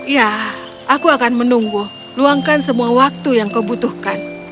ya aku akan menunggu luangkan semua waktu yang kau butuhkan